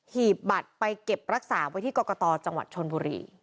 หีบบัตรไปเก็บรักษาไว้ที่กรกตจังหวัดชนบุรี